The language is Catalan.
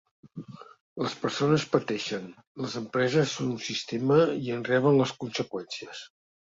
Les persones pateixen, les empreses són un sistema i en reben les conseqüències.